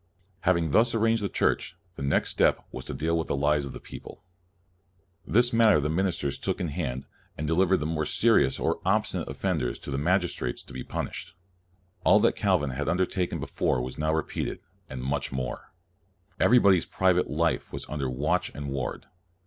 Having thus arranged the Church, the next step was to deal with the lives of the people. This matter the ministers took in hand, and delivered the more serious or obstinate offenders to . the magistrates to be punished. All that Calvin had under taken before was now repeated, and much more. Everybody's private life was under watch and ward.